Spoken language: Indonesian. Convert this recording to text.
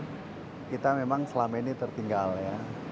saya pikir kita memang selama ini tertinggal ya